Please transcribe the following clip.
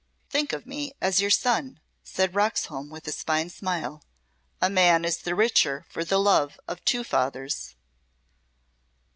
"Think of me as your son," said Roxholm with his fine smile. "A man is the richer for the love of two fathers."